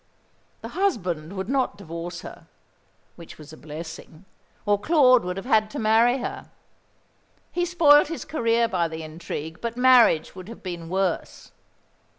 The husband would not divorce her which was a blessing or Claude would have had to marry her. He spoilt his career by the intrigue; but marriage would have been worse."